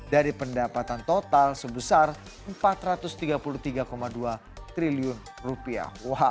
dari pendapatan total sebesar empat ratus tiga puluh tiga dua triliun rupiah